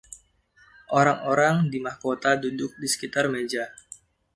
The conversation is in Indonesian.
Orang-orang di mahkota duduk di sekitar meja.